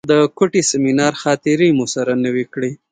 د کوټې سیمینار خاطرې مو سره نوې کړې.